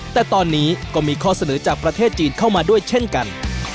แต่ตอนนี้ก็มีข้อเสนอจากประเทศจีนเข้ามาด้วยเช่นกัน